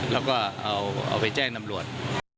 แล้วก็เอาไปแจ้งตำรวจ